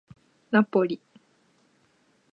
ナポリ